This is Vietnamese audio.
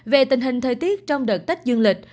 về tình hình thời tiết trong đợt tết dương lịch